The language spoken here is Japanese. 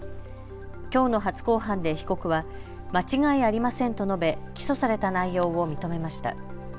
きょうの初公判で被告は間違いありませんと述べ起訴された内容を認めました。